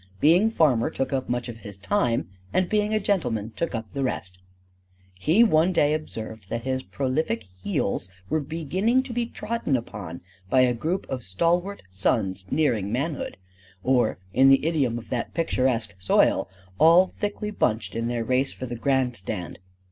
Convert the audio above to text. Being farmer took up much of his time, and being a gentleman took up the rest. He one day observed that his prolific heels were beginning to be trodden upon by a group of stalwart sons nearing manhood; or, in the idiom of that picturesque soil, all thickly bunched in their race for the grand stand.